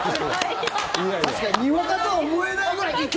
確かににわかとは思えないぐらい行け！